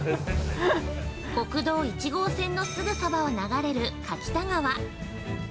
◆国道１号線のすぐそばを流れる柿田川。